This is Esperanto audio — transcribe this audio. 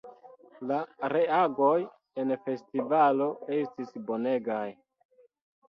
La reagoj en festivalo estis bonegaj!